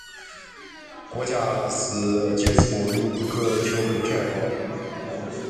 国家是阶级矛盾不可调和的产物